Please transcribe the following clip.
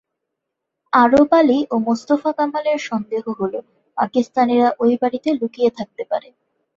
আরব আলী ও মোস্তফা কামালের সন্দেহ হলো, পাকিস্তানিরা ওই বাড়িতে লুকিয়ে থাকতে পারে।